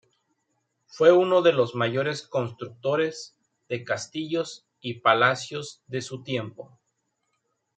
Fue uno de los mayores constructores de castillos y palacios de su tiempo.